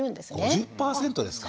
５０％ですか。